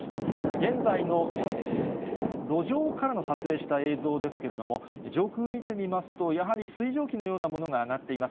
現在の路上からの撮影した映像ですけれども、上空見てみますと、やはり水蒸気のようなものが上がっています。